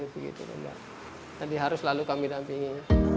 begitu jadi harus selalu kami dampingi